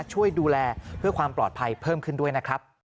ช่วยดูแลเพื่อความปลอดภัยเพิ่มขึ้นด้วยนะครับ